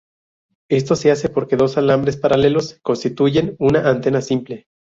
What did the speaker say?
Esto se hace porque dos alambres paralelos constituyen una antena simple.